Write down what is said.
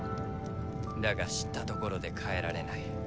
だが知ったところで変えられない。